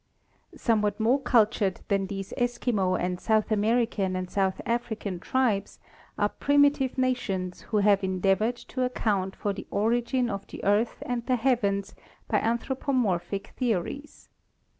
Somewhat more cultured than these Eskimo and South American and South African tribes are primitive nations who have endeavored to account for the origin of the Earth and the heavens by anthropomorphic theories.